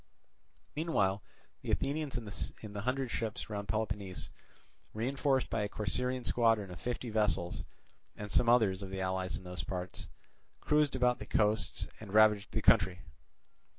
Meanwhile the Athenians in the hundred ships round Peloponnese, reinforced by a Corcyraean squadron of fifty vessels and some others of the allies in those parts, cruised about the coasts and ravaged the country.